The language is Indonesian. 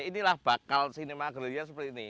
ya inilah bakal cinema gerilya seperti ini